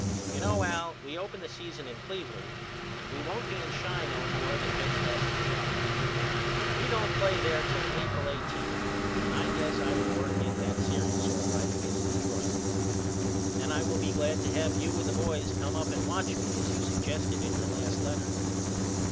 You know Al we open the season in Cleveland and we won't be in Chi no more than just passing through. We don't play there till April eighteenth and I guess I will work in that serious all right against Detroit. Then I will be glad to have you and the boys come up and watch me as you suggested in your last letter.